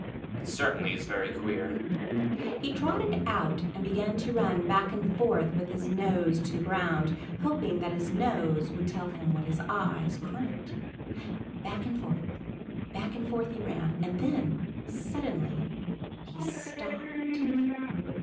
It certainly is very queer." He trotted out and began to run back and forth with his nose to the ground, hoping that his nose would tell him what his eyes couldn't. Back and forth, back and forth he ran, and then suddenly he stopped.